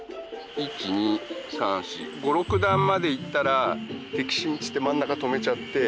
１２３４５６段までいったら「摘心」っつって真ん中止めちゃって。